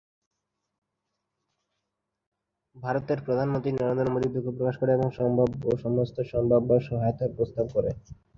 ভারতের প্রধানমন্ত্রী নরেন্দ্র মোদী দুঃখ প্রকাশ করে এবং "সমস্ত সম্ভাব্য সহায়তার" প্রস্তাব করে।